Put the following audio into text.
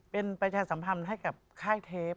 เป็นประชาสัมพันธ์ให้กับค่ายเทป